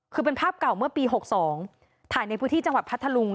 คือเป็นภาพเก่าเมื่อปี๖๒ถ่ายในพื้นที่จังหวัดพัทธลุง